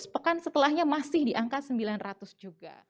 sepekan setelahnya masih di angka sembilan ratus juga